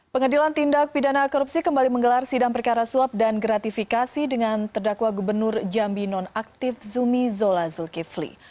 pengadilan tindak pidana korupsi kembali menggelar sidang perkara suap dan gratifikasi dengan terdakwa gubernur jambi nonaktif zumi zola zulkifli